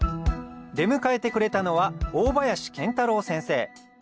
出迎えてくれたのは大林賢太郎先生